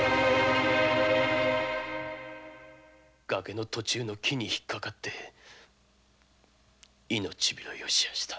ガケの途中の木に引っかかって命拾いをしました